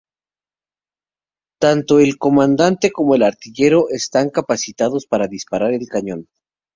Tanto el comandante como el artillero están capacitados para disparar el cañón.